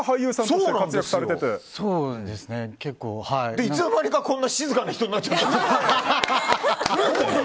そしていつの間にかこんな静かな人になっちゃって。